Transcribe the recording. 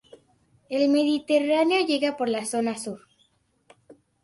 El mediterráneo llega por la zona sur.